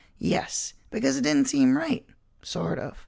"Yes—because it didn't seem right—sort of.